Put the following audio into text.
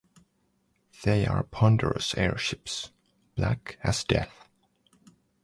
They are ponderous airships, black as death.